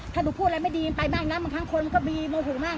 ถ้าหนูพูดอะไรไม่ดีไปบ้างนะบางทั้งคนมันก็บีโมหูมาก